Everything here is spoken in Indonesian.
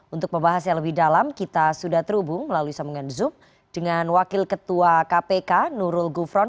untuk pembahas yang lebih dalam kita sudah terhubung melalui sambungan zoom dengan wakil ketua kpk nurul gufron